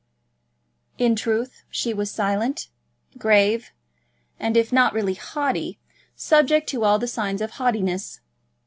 In truth she was silent, grave, and, if not really haughty, subject to all the signs of haughtiness.